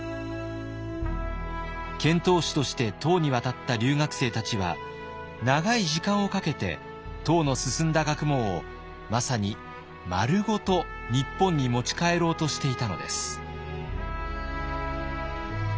遣唐使として唐に渡った留学生たちは長い時間をかけて唐の進んだ学問をまさにまるごと日本に持ち帰ろうとしていたのです。